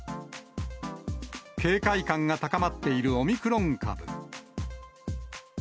警戒感が高まっているオミクロン株。